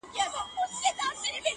وهل مي يکطرفه پيشي کوچ هم خوړلي دي.